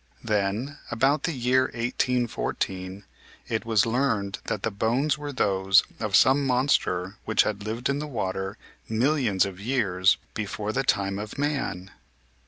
Then, about the year 1814, it was learned that the bones were those of some monster which had lived in the water millions of years before the time of man.